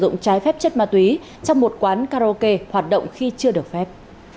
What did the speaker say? sử dụng trái phép chất ma túy trong một quán karaoke hoạt động khi chưa được phép